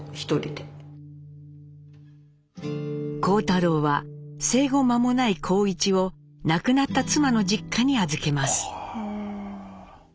幸太郎は生後間もない幸一を亡くなった妻の実家に預けます。